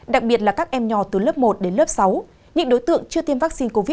đặc biệt là các em nhỏ từ lớp một đến lớp sáu những đối tượng chưa tiêm vaccine covid một mươi chín